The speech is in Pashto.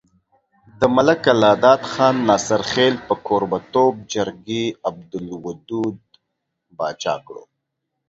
د ملک الله داد خان ناصرخېل په کوربه توب جرګې عبدالودو باچا کړو۔